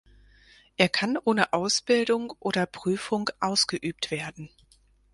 Er kann ohne Ausbildung oder Prüfung ausgeübt werden.